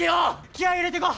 気合い入れてこ！